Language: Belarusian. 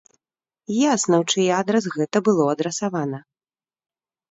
Ясна, у чый адрас гэта было адрасавана.